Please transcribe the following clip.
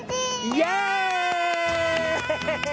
イエーイ！